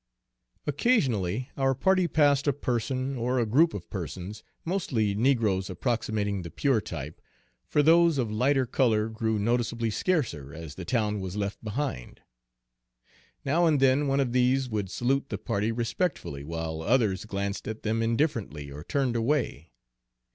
Occasionally our party passed a person, or a group of persons, mostly negroes approximating the pure type, for those of lighter color grew noticeably scarcer as the town was left behind. Now and then one of these would salute the party respectfully, while others glanced at them indifferently or turned away.